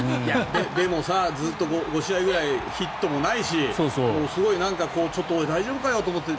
でも、ずっと５試合くらいヒットもないしちょっと大丈夫かよと思って。